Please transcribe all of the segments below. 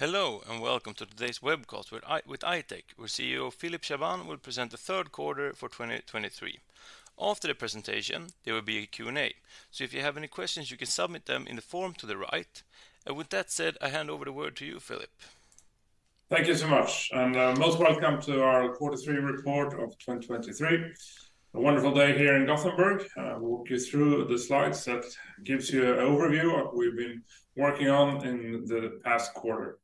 Hello, and welcome to today's webcast with I-Tech, where CEO Philip Chaabane will present the third quarter for 2023. After the presentation, there will be a Q&A, so if you have any questions, you can submit them in the form to the right. With that said, I hand over the word to you, Philip. Thank you so much, and most welcome to our quarter three report of 2023. A wonderful day here in Gothenburg. I'll walk you through the slides that gives you an overview of what we've been working on in the past quarter.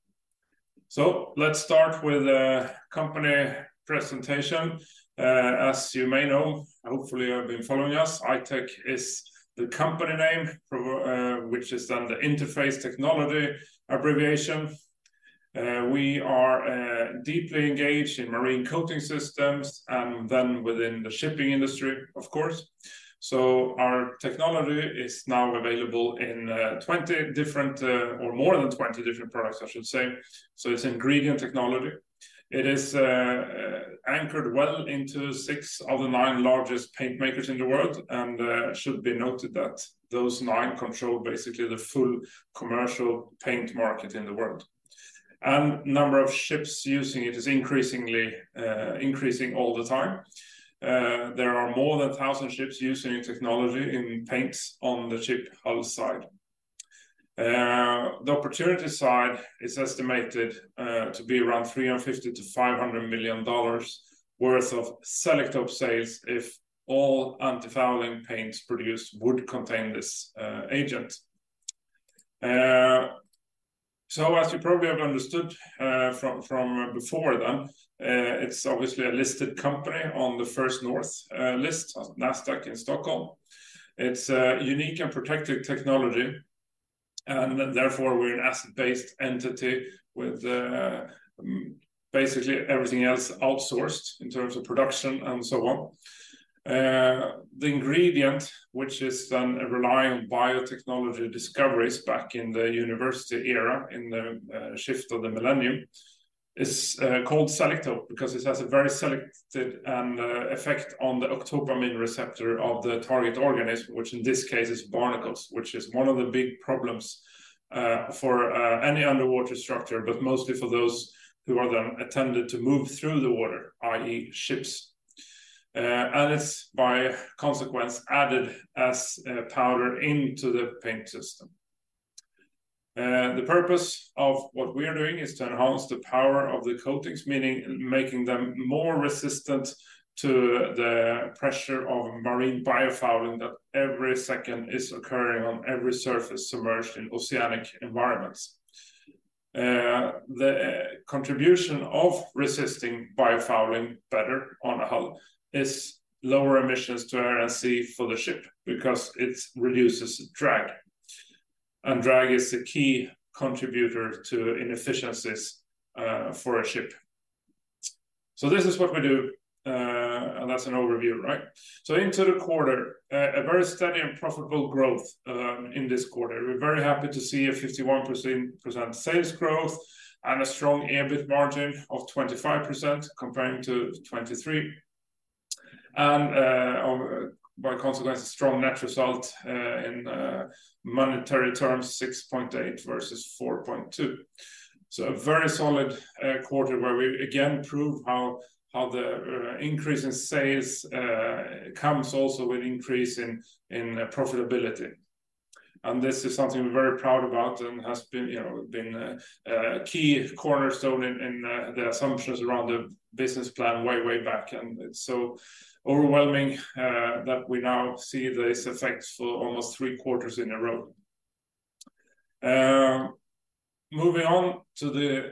Let's start with a company presentation. As you may know, hopefully you have been following us, I-Tech is the company name for, which is under Interface Technology abbreviation. We are deeply engaged in marine coating systems and then within the shipping industry, of course. Our technology is now available in 20 different, or more than 20 different products, I should say. It's ingredient technology. It is anchored well into six of the nine largest paint makers in the world, and it should be noted that those nine control basically the full commercial paint market in the world. Number of ships using it is increasingly, increasing all the time. There are more than 1,000 ships using technology in paints on the ship hull side. The opportunity side is estimated to be around SEK 350 million-SEK 500 million worth of Selektope sales if all antifouling paints produced would contain this agent. As you probably have understood from before then, it's obviously a listed company on the First North list, Nasdaq in Stockholm. It's a unique and protected technology, and therefore, we're an asset-based entity with basically everything else outsourced in terms of production and so on. The ingredient, which is then a result of biotechnology discoveries back in the university era, in the shift of the millennium, is called Selektope because it has a very selected effect on the octopamine receptor of the target organism, which in this case is barnacles, which is one of the big problems for any underwater structure, but mostly for those who are then attended to move through the water, i.e., ships. It's by consequence added as a powder into the paint system. The purpose of what we are doing is to enhance the power of the coatings, meaning making them more resistant to the pressure of marine biofouling that every second is occurring on every surface submerged in oceanic environments. The contribution of resisting biofouling better on a hull is lower emissions to air and sea for the ship because it reduces drag, and drag is the key contributor to inefficiencies for a ship. This is what we do, and that's an overview, right? Into the quarter, a very steady and profitable growth in this quarter. We're very happy to see a 51% sales growth and a strong EBIT margin of 25%, comparing to 23%. By consequence, a strong net result in monetary terms, 6.8 versus 4.2. A very solid quarter where we again prove how the increase in sales comes also with increase in profitability. This is something we're very proud about and has been, you know, a key cornerstone in the assumptions around the business plan way, way back. It's so overwhelming that we now see this effect for almost three quarters in a row. Moving on to the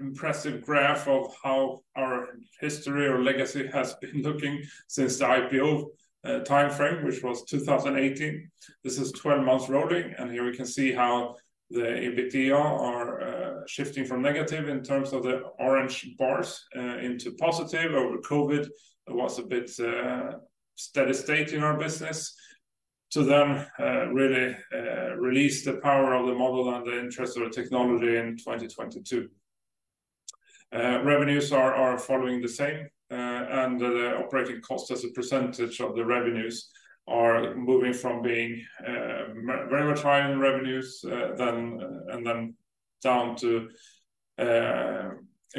impressive graph of how our history or legacy has been looking since the IPO time frame, which was 2018. This is 12 months rolling, and here we can see how the EBITDA are shifting from negative in terms of the orange bars into positive. Over COVID, it was a bit steady state in our business. To then really release the power of the model and the interest of the technology in 2022. Revenues are following the same, and the operating cost as a percentage of the revenues are moving from being very much high in revenues and then down to a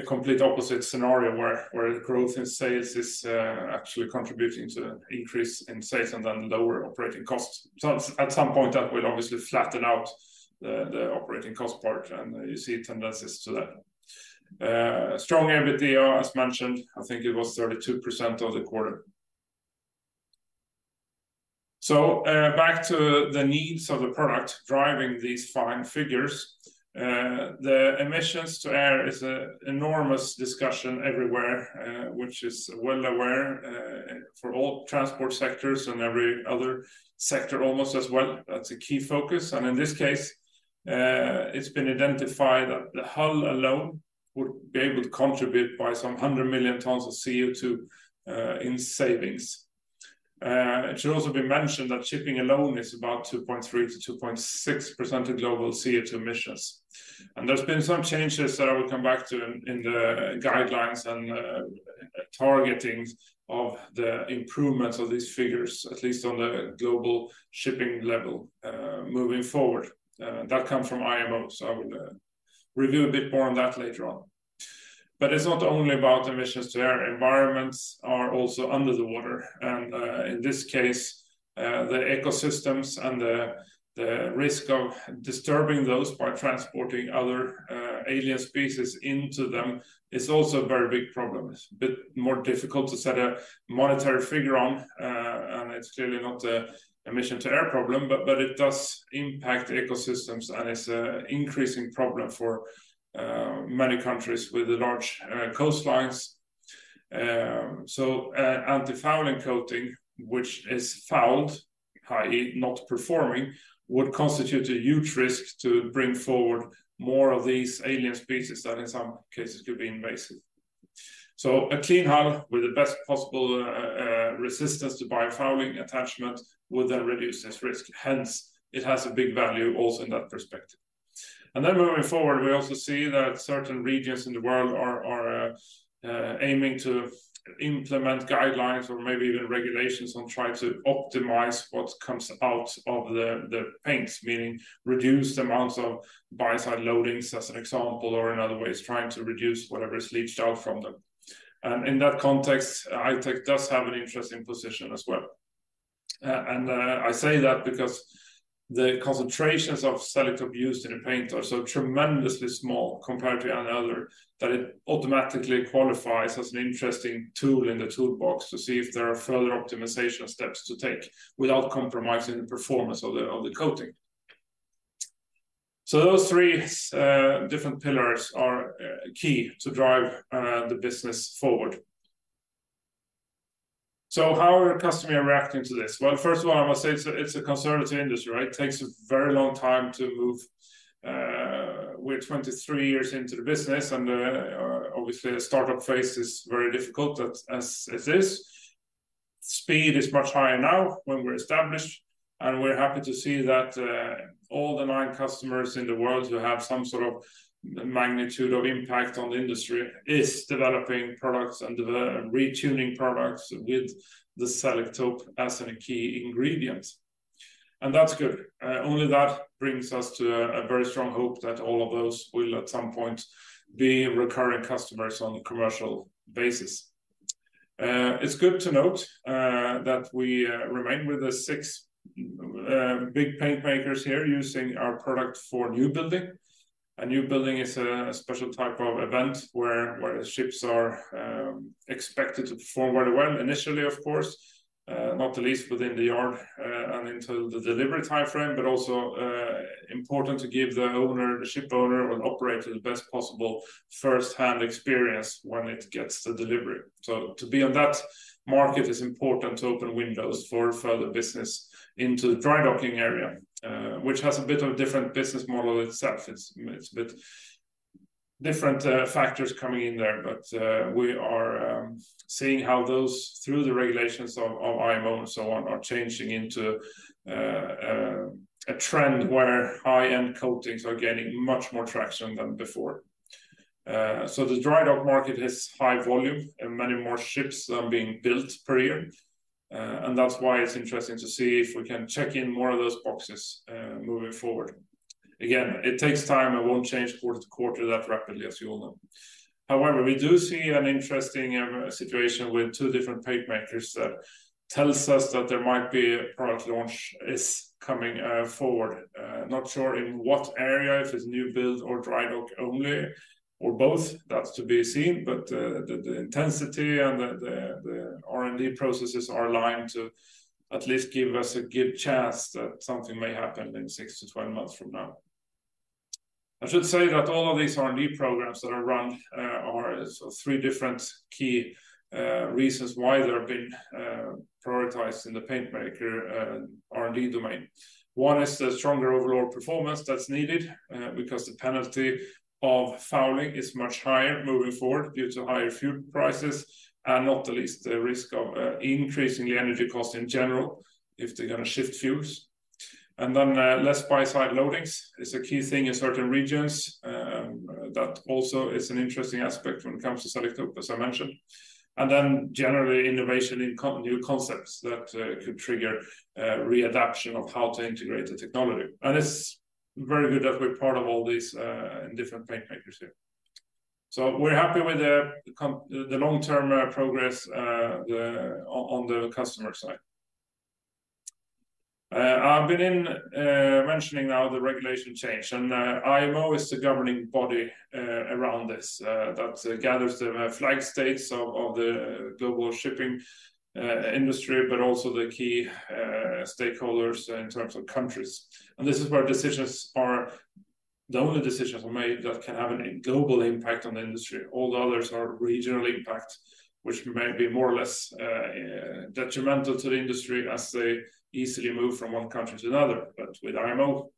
complete opposite scenario where the growth in sales is actually contributing to an increase in sales and then lower operating costs. At some point, that will obviously flatten out the operating cost part, and you see tendencies to that. Strong EBITDA, as mentioned, I think it was 32% of the quarter. Back to the needs of the product driving these fine figures. Emissions to air is an enormous discussion everywhere, which is well aware, for all transport sectors and every other sector almost as well. That's a key focus, and in this case, it's been identified that the hull alone would be able to contribute by some 100 million tons of CO2 in savings. It should also be mentioned that shipping alone is about 2.3%-2.6% of global CO2 emissions. There's been some changes that I will come back to in the guidelines and targeting of the improvements of these figures, at least on the global shipping level, moving forward. That comes from IMO, so I will review a bit more on that later on. But it's not only about emissions to air. Environments are also under the water, and in this case, the ecosystems and the risk of disturbing those by transporting other alien species into them is also a very big problem. It's a bit more difficult to set a monetary figure on, and it's clearly not a emission to air problem, but it does impact ecosystems, and it's a increasing problem for many countries with the large coastlines. Antifouling coating, which is fouled, i.e., not performing, would constitute a huge risk to bring forward more of these alien species that in some cases could be invasive. A clean hull with the best possible resistance to biofouling attachment would then reduce this risk. Hence, it has a big value also in that perspective. Moving forward, we also see that certain regions in the world are aiming to implement guidelines or maybe even regulations and try to optimize what comes out of the paints, meaning reduced amounts of biocide loadings, as an example, or in other ways, trying to reduce whatever is leached out from them. In that context, I-Tech does have an interesting position as well. I say that because the concentrations of Selektope used in the paint are so tremendously small compared to any other, that it automatically qualifies as an interesting tool in the toolbox to see if there are further optimization steps to take without compromising the performance of the coating. Those three different pillars are key to drive the business forward. How are customers reacting to this? Well, first of all, I must say it's a conservative industry, right? It takes a very long time to move. We're 23 years into the business, and obviously, the startup phase is very difficult as it is. Speed is much higher now when we're established, and we're happy to see that all the nine customers in the world who have some sort of magnitude of impact on the industry is developing products and retuning products with Selektope as a key ingredient. That's good. Only that brings us to a very strong hope that all of those will, at some point, be recurring customers on a commercial basis. It's good to note that we remain with the six big paint makers here using our product for new building. A new building is a special type of event where the ships are expected to perform very well initially, of course, not the least within the yard and into the delivery time frame, but also important to give the owner, the ship owner or the operator, the best possible first-hand experience when it gets to delivery. To be on that market is important to open windows for further business into the dry docking area, which has a bit of a different business model itself. It's a bit different factors coming in there, but we are seeing how those, through the regulations of IMO and so on, are changing into a trend where high-end coatings are gaining much more traction than before. *Wait, "dry dock":* "dry dock". *Wait, "R&D":* "R&D". *Wait, "launch is coming":* "launch is coming". *Wait, "Not sure in what area":* "Not sure in what area". *Wait, "That's to be seen, but...":* "That's to be seen, but the intensity and the R&D processes are aligned to at least give us a good chance that something may happen in six-12 months from now." *Wait, "six-12 months":* Actually, I'll use "6-12 months". The "numeric form" rule is very emphasized ("You MUST"). *Wait, "two different paint makers":* "two". *Wait, "quarter-to-quarter":* "quarter I should say that all of these R&D programs that are run are three different key reasons why they have been prioritized in the paint maker R&D domain. One is the stronger overall performance that's needed because the penalty of fouling is much higher moving forward due to higher fuel prices, and not the least, the risk of increasing the energy cost in general if they're gonna shift fuels. Less biocide loadings is a key thing in certain regions. That also is an interesting aspect when it comes to Selektope, as I mentioned. Generally, innovation in new concepts that could trigger readaption of how to integrate the technology. It's very good that we're part of all these different paint makers here. We're happy with the long-term progress on the customer side. I've been mentioning now the regulation change, and IMO is the governing body around this that gathers the flag states of the global shipping industry, but also the key stakeholders in terms of countries. This is where the only decisions are made that can have a global impact on the industry. All the others are regional impact, which may be more or less detrimental to the industry as they easily move from one country to another. With IMO,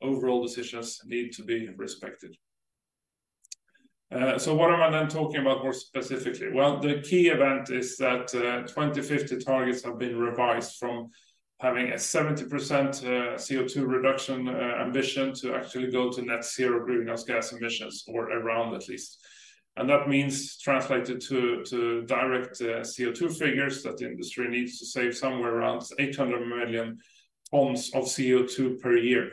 overall decisions need to be respected. What am I then talking about more specifically? Well, the key event is that 2050 targets have been revised from having a 70% CO2 reduction ambition to actually go to net-zero greenhouse gas emissions or around at least. That means, translated to direct CO2 figures, that the industry needs to save somewhere around 800 million tons of CO2 per year,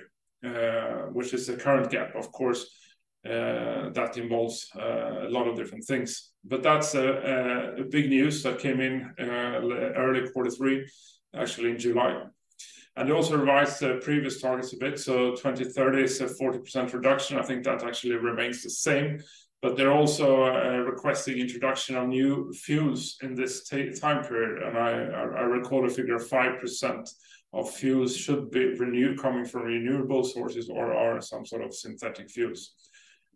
which is the current gap. Of course, that involves a lot of different things. But that's a big news that came in early 2023, actually in July. It also revised the previous targets a bit. So 2030 is a 40% reduction. I think that actually remains the same, but they're also requesting introduction of new fuels in this time period, and I recall a figure of 5% of fuels should be renewed, coming from renewable sources or are some sort of synthetic fuels.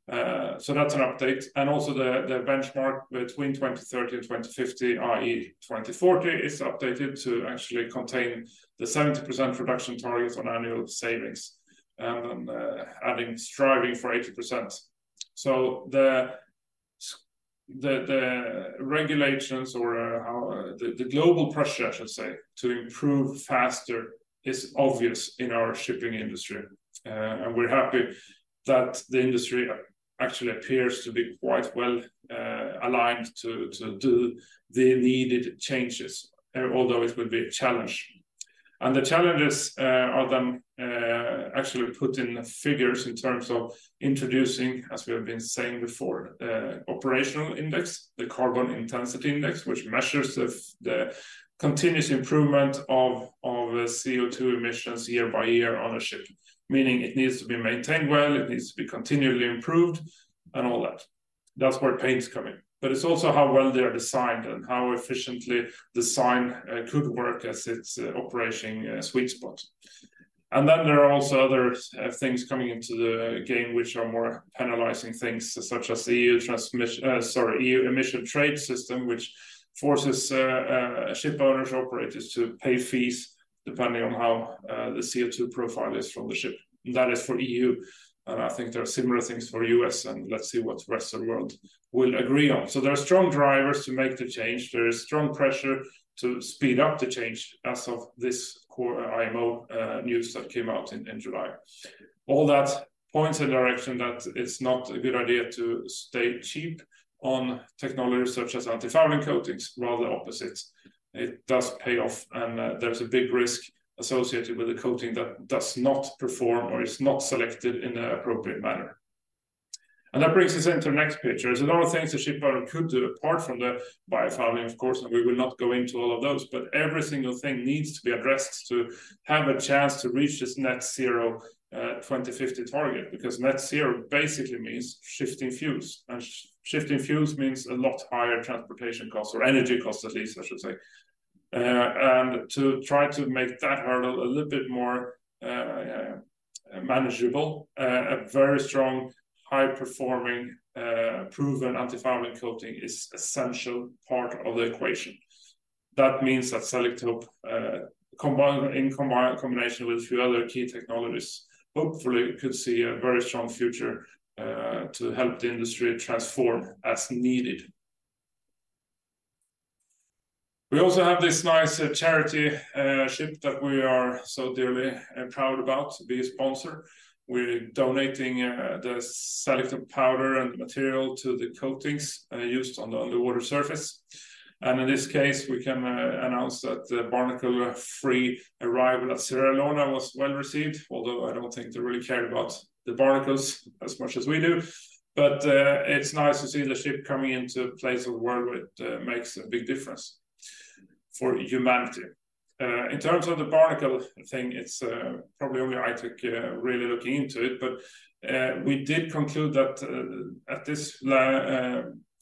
That's an update. The benchmark between 2030 and 2050, i.e., 2040, is updated to actually contain the 70% reduction target on annual savings, adding striving for 80%. The regulations or how the global pressure, I should say, to improve faster is obvious in our shipping industry. We're happy that the industry actually appears to be quite well aligned to do the needed changes, although it will be a challenge. The challenges are then actually put in figures in terms of introducing, as we have been saying before, operational index, the Carbon Intensity Index, which measures the continuous improvement of CO2 emissions year by year on a ship, meaning it needs to be maintained well, it needs to be continually improved and all that. That's where paints come in. It's also how well they are designed and how efficiently design could work as its operating sweet spot. There are also other things coming into the game which are more penalizing things, such as the EU Transmission-- sorry, EU Emissions Trading System, which forces ship owners, operators to pay fees depending on how the CO2 profile is from the ship. That is for EU, and I think there are similar things for U.S., and let's see what the rest of the world will agree on. There are strong drivers to make the change. There is strong pressure to speed up the change as of this core IMO news that came out in July. All that points a direction that it's not a good idea to stay cheap on technologies such as antifouling coatings, rather opposite. It does pay off, and there's a big risk associated with a coating that does not perform or is not selected in an appropriate manner. That brings us into the next picture. There's a lot of things the ship owner could do, apart from the biofouling, of course, and we will not go into all of those, but every single thing needs to be addressed to have a chance to reach this net-zero 2050 target because net zero basically means shifting fuels, and shifting fuels means a lot higher transportation costs or energy costs, at least, I should say. To try to make that hurdle a little bit more manageable, a very strong, high-performing, proven antifouling coating is essential part of the equation. That means that Selektope, combined, in combination with a few other key technologies, hopefully could see a very strong future to help the industry transform as needed. We also have this nice charity ship that we are so dearly proud about to be a sponsor. So I should change them. Wait, "I took" vs "I-Tech". "it's probably only I-Tech really looking into it". This is a very common thing in transcription editing where a company name is misheard as a common phrase. Wait, "Selecoat" vs "Selektope". "We're donating the Selektope powder". This is also a common mishearing. Wait, "la-" in "at this la- uh, point of time". "la-" is a false start for "later" or "last" or something, but it's meaningless here. Removed. Wait, "the, the, the" and "and, and". Stutters. Removed. Wait, "uh". Fillers. Removed. Wait, "And", "But", "Uh However,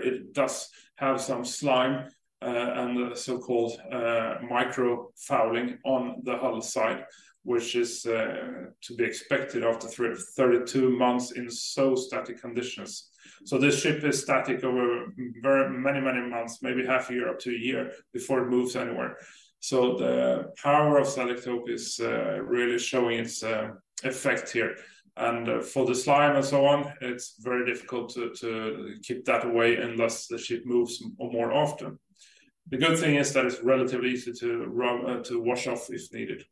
it does have some slime and the so-called microfouling on the hull side, which is to be expected after 32 months in so static conditions. This ship is static over very many, many months, maybe half a year up to a year, before it moves anywhere. The power of Selektope is really showing its effect here. For the slime and so on, it's very difficult to keep that away unless the ship moves more often. The good thing is that it's relatively easy to rub, to wash off if needed.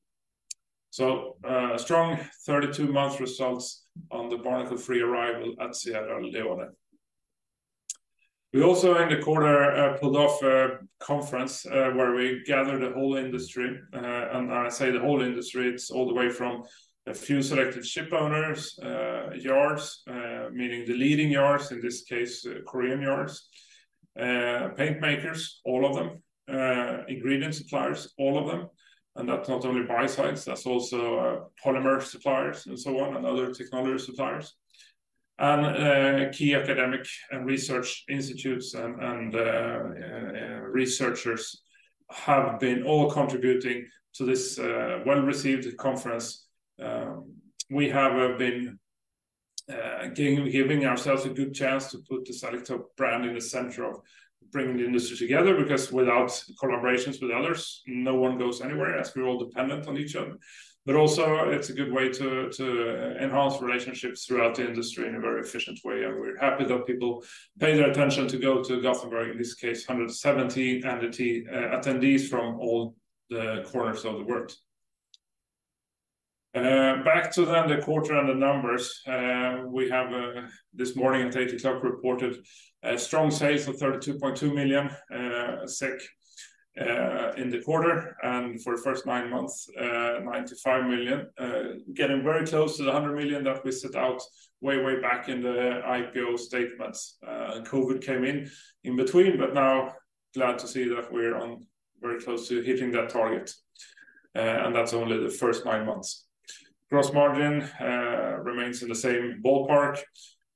Strong 32-month results on the barnacle-free arrival at Sierra Leone. We also, in the quarter, pulled off a conference where we gathered the whole industry. I say the whole industry, it's all the way from a few selected shipowners, yards, meaning the leading yards, in this case, Korean yards, paint makers, all of them, ingredient suppliers, all of them, and that's not only biocides, that's also polymer suppliers and so on, and other technology suppliers. Key academic and research institutes and researchers have been all contributing to this well-received conference. We have been giving ourselves a good chance to put the Selektope brand in the center of bringing the industry together, because without collaborations with others, no one goes anywhere, as we're all dependent on each other. Also, it's a good way to enhance relationships throughout the industry in a very efficient way, and we're happy that people pay their attention to go to Gothenburg, in this case, 117 industry attendees from all the corners of the world. Back to then the quarter and the numbers. We have this morning at 8:00 A.M. reported strong sales of 32.2 million SEK in the quarter, and for the first nine months, 95 million. Getting very close to the 100 million that we set out way, way back in the IPO statements. COVID came in, in between, but now glad to see that we're on very close to hitting that target, and that's only the first nine months. Gross margin remains in the same ballpark.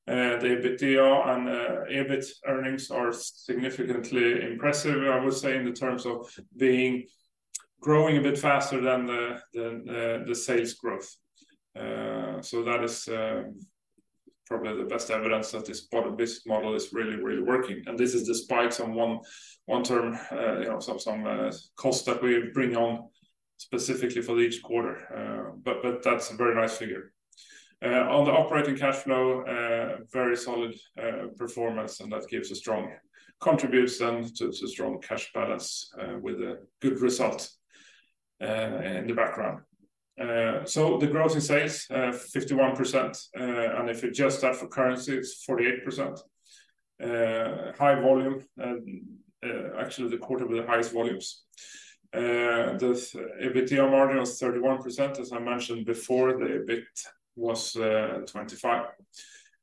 The EBITDA and EBIT earnings are significantly impressive, I would say, in the terms of growing a bit faster than the sales growth. That is probably the best evidence that this part of this model is really, really working, and this is despite some one-time, you know, some costs that we bring on specifically for each quarter. That's a very nice figure. On the operating cash flow, very solid performance, and that gives a strong contribution to strong cash balance with a good result in the background. The growth in sales, 51%, and if you adjust that for currency, it's 48%. High volume, and actually, the quarter with the highest volumes. The EBITDA margin was 31%. As I mentioned before, the EBIT was 25%,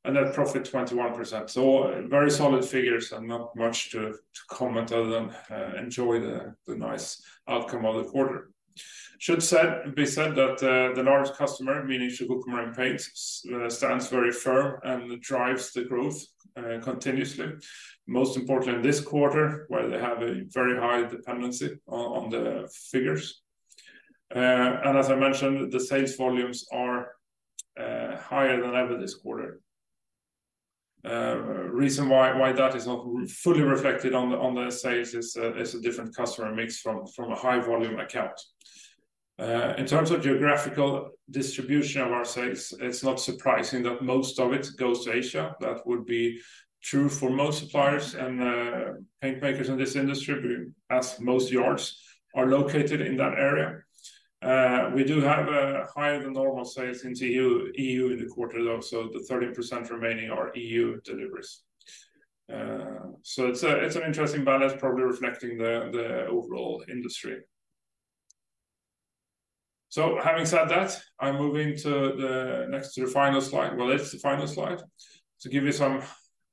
and net profit, 21%. Very solid figures and not much to comment other than enjoy the nice outcome of the quarter. Should be said that the largest customer, meaning Chugoku Marine Paints, stands very firm and drives the growth continuously. Most importantly, this quarter, where they have a very high dependency on the figures. As I mentioned, the sales volumes are higher than ever this quarter. Reason why that is not fully reflected on the sales is a different customer mix from a high-volume account. In terms of geographical distribution of our sales, it's not surprising that most of it goes to Asia. That would be true for most suppliers and paint makers in this industry, but as most yards are located in that area, we do have a higher-than-normal sales into EU in the quarter, though, so the 30% remaining are EU deliveries. It's an interesting balance, probably reflecting the overall industry. Having said that, I'm moving to the next to the final slide. Well, it's the final slide, to give you some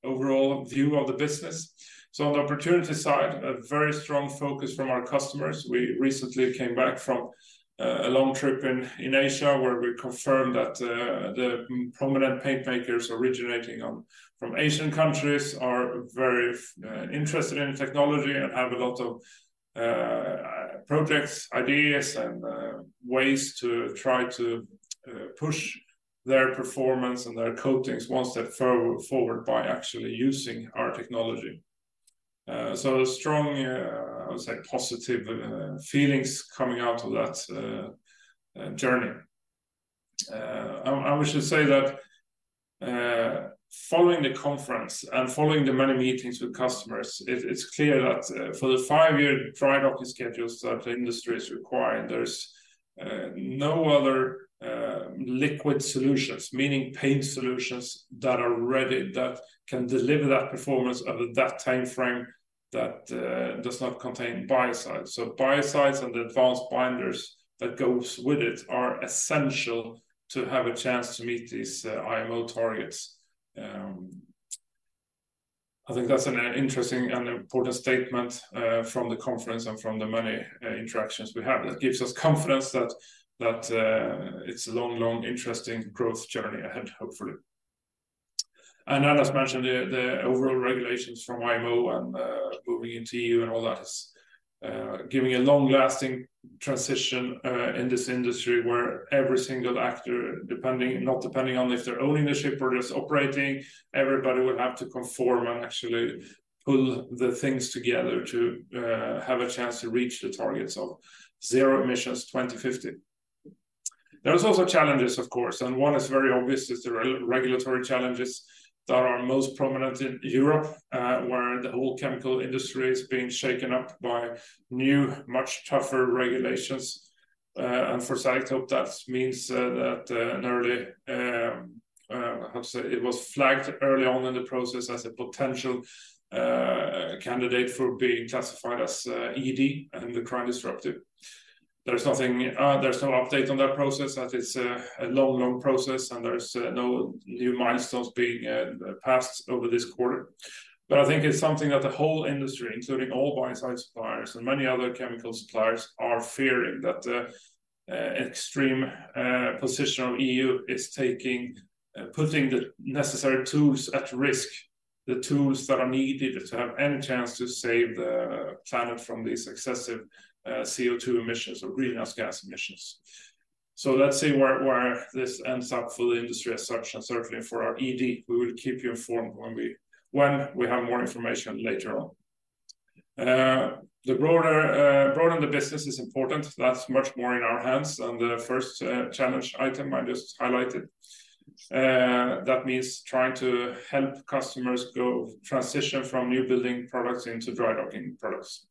overall view of the business. On the opportunity side, a very strong focus from our customers. Wait, "that are ready, that can deliver that performance at that time frame, that does not contain biocides." Are these three separate "that" clauses modifying "solutions"? 1. that are ready 2. that can deliver that performance at that time frame 3. that does not contain biocides Yes. Wait, "does not contain biocides". "does not" is singular. "solutions" is plural. But "performance" is singular. "deliver that performance... that does not contain biocides." Does "performance" contain biocides? No, the paint/solution does. So "that" refers back to "solutions" or "paint solutions". Regardless, I must keep "does not" as spoken. Wait, "five biocides and the advanced binders that goes with it are essential to have a chance to meet these IMO targets. I think that's an interesting and important statement from the conference and from the many interactions we have. That gives us confidence that it's a long, long, interesting growth journey ahead, hopefully. As mentioned, the overall regulations from IMO and moving into EU and all that is giving a long-lasting transition in this industry, where every single actor, depending, not depending on if they're owning the ship or just operating, everybody will have to conform and actually pull the things together to have a chance to reach the targets of zero emissions 2050. There is also challenges, of course. One is very obvious, is the regulatory challenges that are most prominent in Europe, where the whole chemical industry is being shaken up by new, much tougher regulations. For Selektope, that means that, how to say? It was flagged early on in the process as a potential candidate for being classified as ED endocrine disruptor. There is nothing, there is no update on that process, as it is a long, long process, and there is no new milestones being passed over this quarter. I think it's something that the whole industry, including all biocide suppliers and many other chemical suppliers, are fearing, that the extreme position of EU is taking, putting the necessary tools at risk, the tools that are needed to have any chance to save the planet from these excessive CO2 emissions or greenhouse gas emissions. Let's see where this ends up for the industry as such, and certainly for our ED. We will keep you informed when we have more information later on. The broader the business is important. That's much more in our hands than the first challenge item I just highlighted. That means trying to help customers go transition from new building products into dry docking products.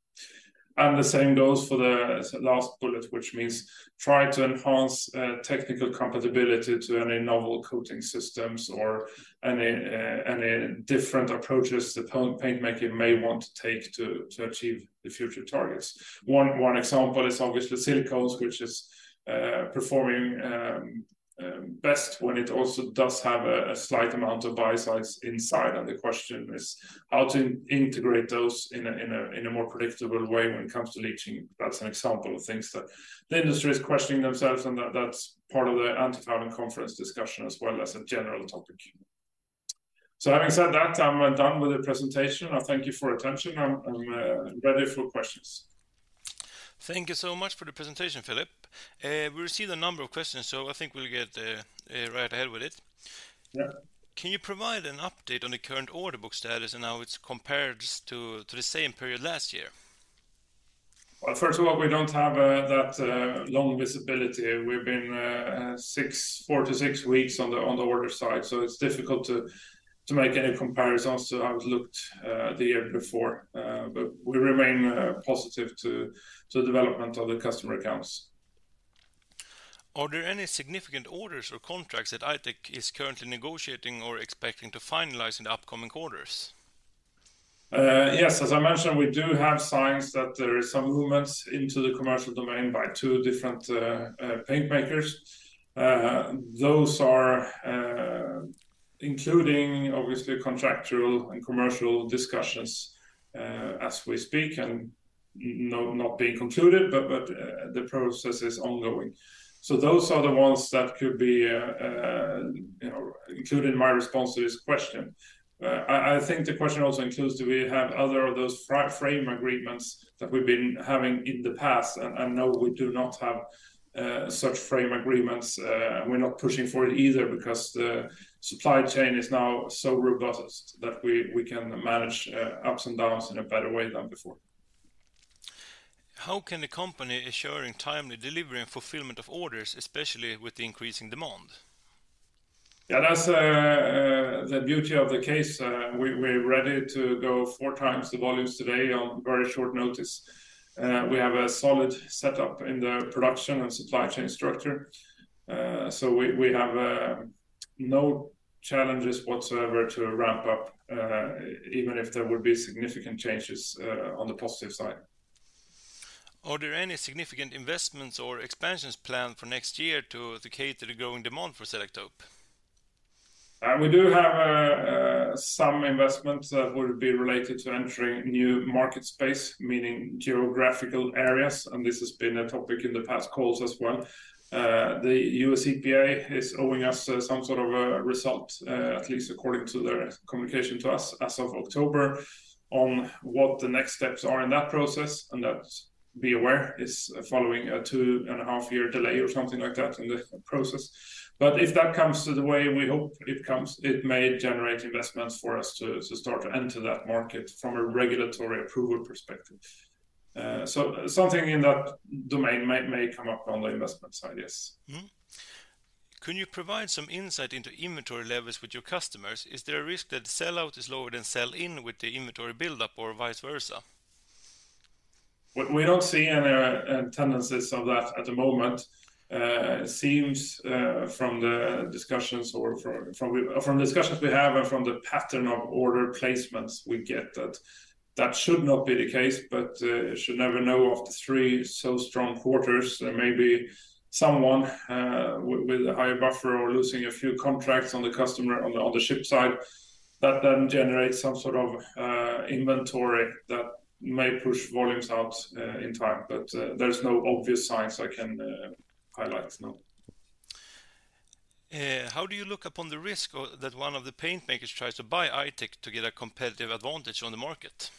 The same goes for the last bullet, which means try to enhance technical compatibility to any novel coating systems or any different approaches the paint maker may want to take to achieve the future targets. One example is obviously silicones, which is performing best when it also does have a slight amount of biocides inside, and the question is how to integrate those in a more predictable way when it comes to leaching. That's an example of things that the industry is questioning themselves, and that's part of the antifouling conference discussion, as well as a general topic. Having said that, I'm done with the presentation. I thank you for your attention. I'm ready for questions. Thank you so much for the presentation, Philip. We received a number of questions, so I think we'll get right ahead with it. Yeah. Can you provide an update on the current order book status and how it's compared to the same period last year? Well, first of all, we don't have that long visibility. We've been six, four to six weeks on the order side, so it's difficult to make any comparisons to how it looked the year before. But we remain positive to the development of the customer accounts. Are there any significant orders or contracts that I-Tech is currently negotiating or expecting to finalize in the upcoming quarters? Yes, as I mentioned, we do have signs that there is some movements into the commercial domain by two different paint makers. Those are including obviously contractual and commercial discussions as we speak, and not being concluded, but the process is ongoing. Those are the ones that could be, you know, included in my response to this question. I think the question also includes, do we have other of those frame agreements that we've been having in the past? No, we do not have such frame agreements. We're not pushing for it either because the supply chain is now so robust that we can manage ups and downs in a better way than before. How can the company ensure in timely delivery and fulfillment of orders, especially with the increasing demand? Yeah, that's the beauty of the case. We're ready to go four times the volumes today on very short notice. We have a solid setup in the production and supply chain structure. We have no challenges whatsoever to ramp up even if there would be significant changes on the positive side. Are there any significant investments or expansions planned for next year to dedicate to the growing demand for Selektope? We do have some investments that would be related to entering new market space, meaning geographical areas, and this has been a topic in the past calls as well. The U.S. EPA is owing us some sort of a result, at least according to their communication to us as of October, on what the next steps are in that process, and that, be aware, is following a two and a half year delay or something like that in the process. If that comes to the way we hope it comes, it may generate investments for us to start to enter that market from a regulatory approval perspective. Something in that domain may come up on the investment side, yes. Could you provide some insight into inventory levels with your customers? Is there a risk that sell-out is lower than sell-in with the inventory buildup or vice versa? We don't see any tendencies of that at the moment. It seems from the discussions or from discussions we have and from the pattern of order placements we get that that should not be the case, but you should never know. After three so strong quarters, there may be someone with a higher buffer or losing a few contracts on the customer on the ship side that then generates some sort of inventory that may push volumes out in time, but there's no obvious signs I can highlight now. How do you look upon the risk of that one of the paint makers tries to buy I-Tech to get a competitive advantage on the market?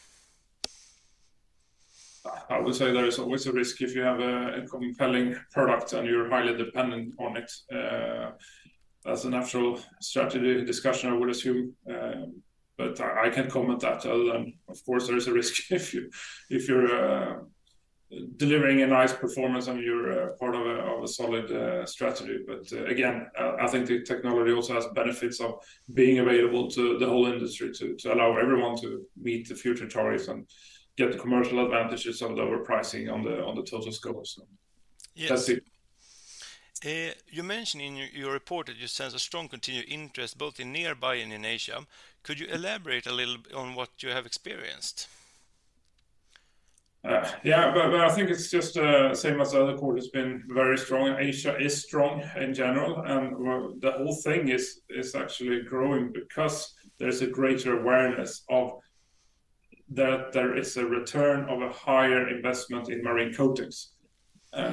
I would say there is always a risk if you have a compelling product and you're highly dependent on it. That's a natural strategy discussion, I would assume, but I can't comment that. Other than, of course, there is a risk if you're delivering a nice performance and you're part of a solid strategy. Again, I think the technology also has benefits of being available to the whole industry to allow everyone to meet the future targets and get the commercial advantages of lower pricing on the total scope. Yes. That's it. You mentioned in your report that you sense a strong continued interest both in nearby and in Asia. Could you elaborate a little on what you have experienced? Yeah, but I think it's just same as the other quarter. It's been very strong, and Asia is strong in general, and, well, the whole thing is actually growing because there's a greater awareness of that there is a return of a higher investment in marine coatings.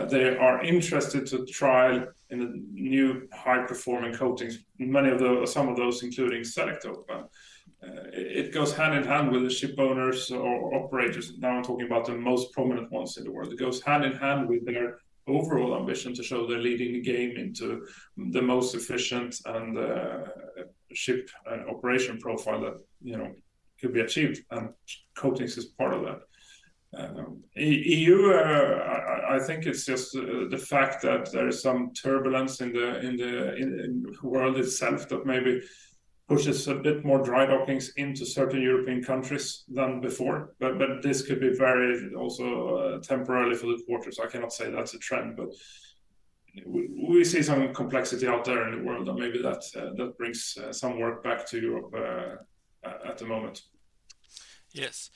They are interested to trial in the new high-performing coatings, many of those, some of those, including Selektope. It goes hand in hand with the shipowners or operators. Now, I'm talking about the most prominent ones in the world. It goes hand in hand with their overall ambition to show they're leading the game into the most efficient and ship and operation profile that, you know, could be achieved, and coatings is part of that. EU, I think it's just the fact that there is some turbulence in the world itself that maybe pushes a bit more dry dockings into certain European countries than before. This could be very also temporarily for the quarters. I cannot say that's a trend, but we see some complexity out there in the world, and maybe that brings some work back to Europe at the moment. Yes.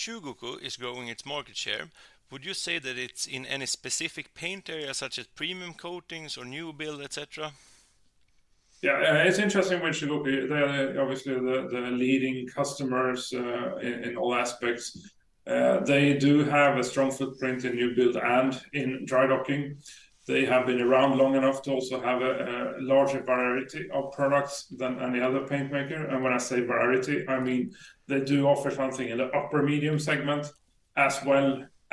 Chugoku is growing its market share. Would you say that it's in any specific paint area, such as premium coatings or new build, et cetera? Wait, "They do have a strong footprint in new build and in dry docking." I'll use "They do have a strong footprint in new build and in dry docking." Wait, "They are obviously the leading customers in all aspects." I'll use "They are obviously the leading customers in all aspects." Wait, "Yeah, it's interesting with Chugoku." I'll use "Yeah, it's interesting with Chugoku." Wait,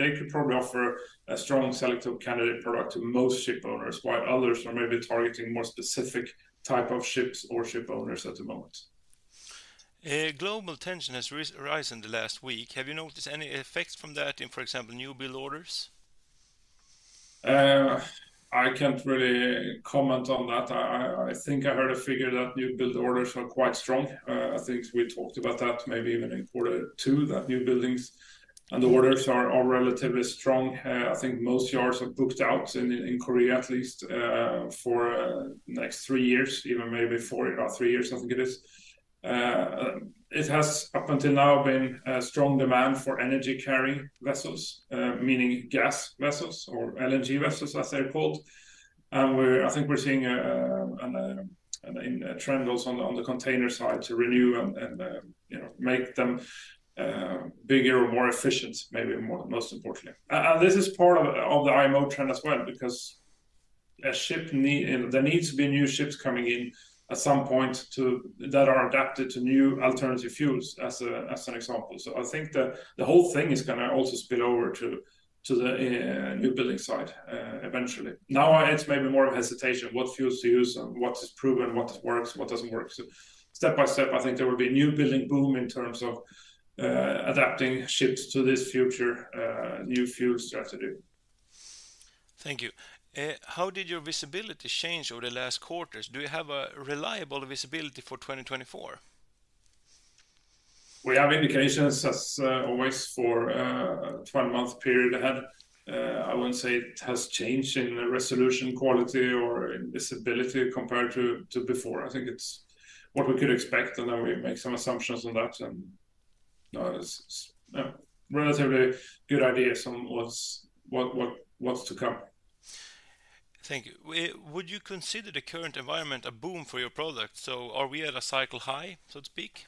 "They could probably offer a strong Selektope candidate product to most ship owners, while others are maybe targeting more specific type of ships or ship owners at the moment." I'll use "They could probably offer a strong Selektope candidate product to most ship owners, while others are maybe targeting more specific type of ships or ship owners at the moment." Wait, "Cel top" -> "Selektop Global tension has risen in the last week. Have you noticed any effects from that in, for example, new build orders? I can't really comment on that. I think I heard a figure that new build orders are quite strong. I think we talked about that maybe even in quarter two, that new buildings and the orders are relatively strong. I think most yards are booked out in Korea, at least, for the next three years, even maybe four or three years, I think it is. It has, up until now, been a strong demand for energy carrying vessels, meaning gas vessels or LNG vessels, as they're called. I think we're seeing a trend also on the container side to renew and, you know, make them bigger and more efficient, maybe more, most importantly. This is part of the IMO trend as well, because a ship need... There needs to be new ships coming in at some point that are adapted to new alternative fuels, as an example. So I think that the whole thing is going to also spill over to the new building side eventually. Now, it's maybe more of hesitation, what fuels to use and what is proven, what works, what doesn't work. So step by step, I think there will be a new building boom in terms of adapting ships to this future new fuel strategy. Thank you. How did your visibility change over the last quarters? Do you have a reliable visibility for 2024? We have indications, as always, for a 12-month period ahead. I wouldn't say it has changed in resolution, quality, or in visibility compared to before. I think it's what we could expect, and then we make some assumptions on that, and it's a relatively good idea some what's to come. Thank you. Would you consider the current environment a boom for your product? Are we at a cycle high, so to speak?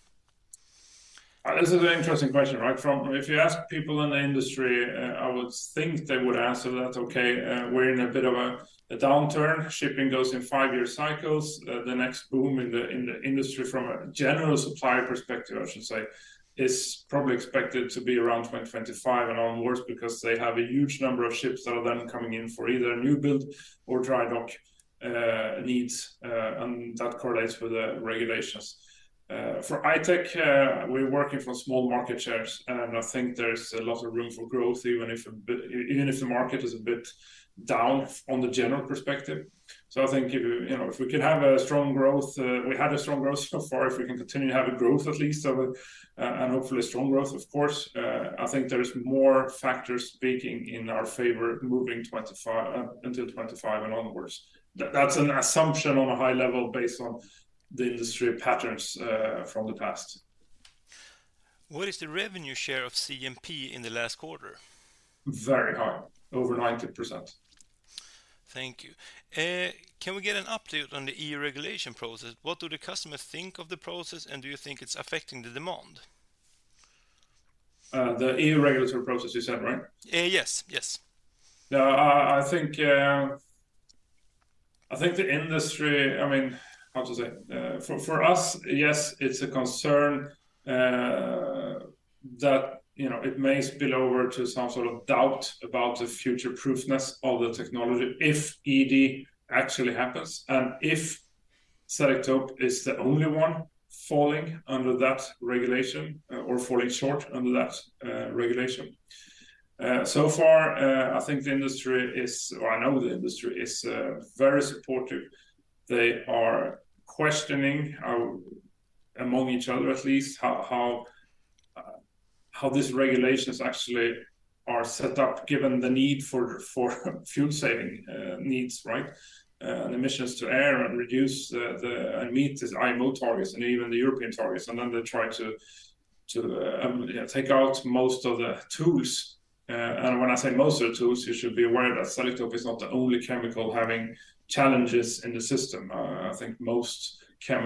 This is an interesting question, right? If you ask people in the industry, I would think they would answer that, "Okay, we're in a bit of a downturn." Shipping goes in five-year cycles. The next boom in the industry, from a general supplier perspective, I should say, is probably expected to be around 2025 and onwards because they have a huge number of ships that are then coming in for either new build or dry dock needs, and that correlates with the regulations. For I-Tech, we're working from small market shares, and I think there's a lot of room for growth, even if the market is a bit down on the general perspective. I think if, you know, if we can have a strong growth, we had a strong growth so far. If we can continue to have a growth at least of a, and hopefully strong growth, of course, I think there is more factors speaking in our favor, moving 2025, until 2025 and onwards. That's an assumption on a high level based on the industry patterns from the past. What is the revenue share of CMP in the last quarter? Very high, over 90%. Thank you. Can we get an update on the EU regulation process? What do the customers think of the process, and do you think it's affecting the demand? The EU regulatory process, you said, right? Yes, yes. Now, I think the industry, I mean, how to say? For us, yes, it's a concern that, you know, it may spill over to some sort of doubt about the future-proofness of the technology if ED actually happens and if Selektope is the only one falling under that regulation, or falling short under that regulation. So far, I think the industry is, or I know the industry is, very supportive. They are questioning how, among each other, at least, how these regulations actually are set up, given the need for fuel-saving needs, right? The emissions to air and reduce the, and meet these IMO targets, and even the European targets, and then they try to take out most of the tools. "sort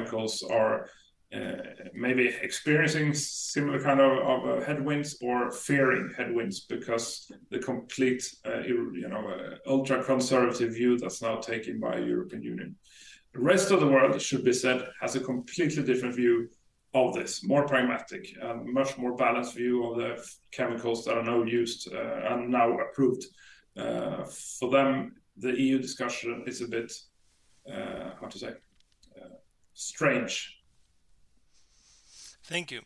of"). But "similar kind of headwinds" is a standard phrase. The stutter is "of, of". So I remove one "of". * Wait, "European Union" vs "the European Union". Transcript: "taken by European Union." I will stick to "by European Union". * Wait, "EU" vs "the EU". Transcript: "the EU discussion". I will stick to "the EU discussion". * Wait, "Selektope". Transcript: "Cel tope". Thank you.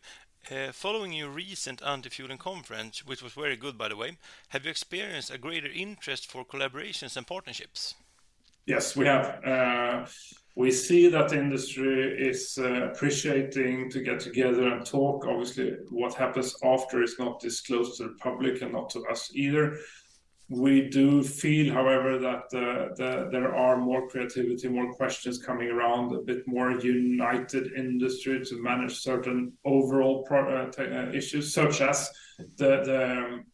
Following your recent antifouling conference, which was very good, by the way, have you experienced a greater interest for collaborations and partnerships? Yes, we have. We see that the industry is appreciating to get together and talk. Obviously, what happens after is not disclosed to the public and not to us either. We do feel, however, that there are more creativity, more questions coming around, a bit more united industry to manage certain overall issues, such as the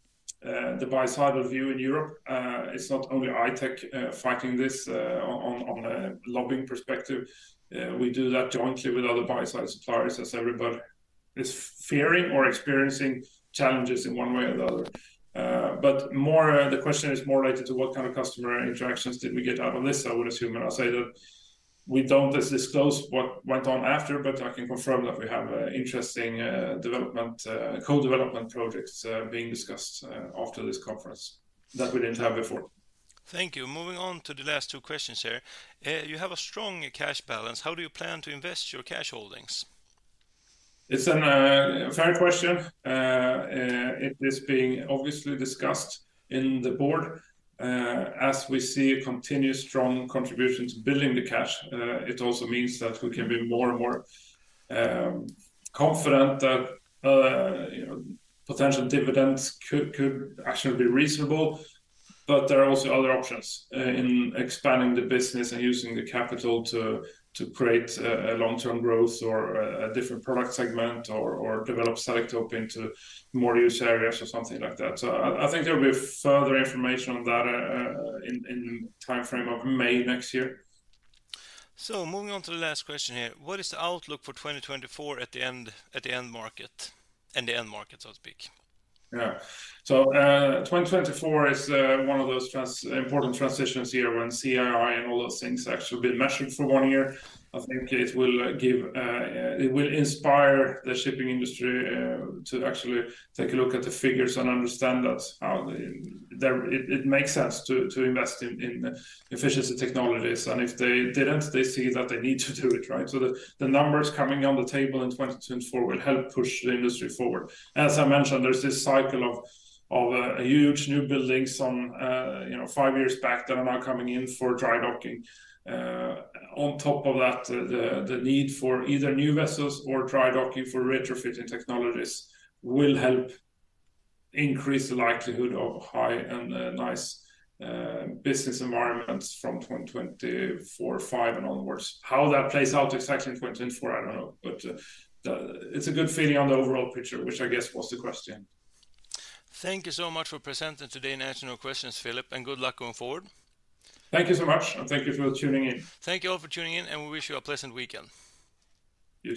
biocide review in Europe. It's not only I-Tech fighting this on a lobbying perspective. We do that jointly with other biocide suppliers, as everybody is fearing or experiencing challenges in one way or the other. The question is more related to what kind of customer interactions did we get out of this, I would assume, and I'll say that we don't disclose what went on after, but I can confirm that we have interesting development, co-development projects being discussed after this conference that we didn't have before. Thank you. Moving on to the last two questions here. You have a strong cash balance. How do you plan to invest your cash holdings? It's a fair question. It is being obviously discussed in the board. As we see a continuous strong contribution to building the cash, it also means that we can be more and more confident that potential dividends could actually be reasonable. But there are also other options in expanding the business and using the capital to create a long-term growth or a different product segment, or develop Selektope into more use areas or something like that. So I think there will be further information on that in timeframe of May next year. Moving on to the last question here. What is the outlook for 2024 in the end market, so to speak? Yeah. 2024 is one of those important transitions here, when CII and all those things actually been measured for one year. I think it will inspire the shipping industry to actually take a look at the figures and understand that it makes sense to invest in efficiency technologies. If they didn't, they see that they need to do it, right? The numbers coming on the table in 2024 will help push the industry forward. As I mentioned, there's this cycle of huge new buildings on, you know, five years back that are now coming in for dry docking. On top of that, the need for either new vessels or dry docking for retrofitting technologies will help increase the likelihood of high and nice business environments from 2024, 2025, and onwards. How that plays out exactly in 2024, I don't know, but it's a good feeling on the overall picture, which I guess was the question. Thank you so much for presenting today and answering our questions, Philip, and good luck going forward. * Wait, I'll check if I should include the "Thank you so much. Thank you all for tuning in, and we wish you a pleasant weekend.